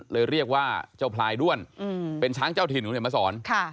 เรียกว่าเจ้าพลายด้วนเป็นช้างเจ้าถิ่นคุณเห็นมาสอน